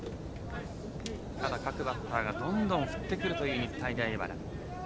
ただ各バッターがどんどん振ってくる日体大荏原。